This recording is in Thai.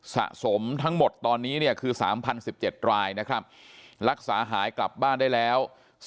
สะสมทั้งหมดตอนนี้เนี่ยคือ๓๐๑๗รายนะครับรักษาหายกลับบ้านได้แล้ว